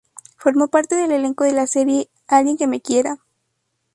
Formó parte del elenco de la serie "Alguien que me quiera".